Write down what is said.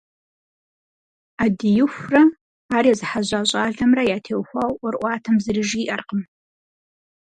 Ӏэдиихурэ ар езыхьэжьа щӏалэмрэ ятеухуауэ ӏуэрыӏуатэм зыри жиӏэркъым.